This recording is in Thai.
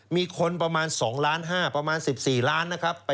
มีคนประมาณ๒ล้าน๕ประมาณ๑๔ล้านนะครับ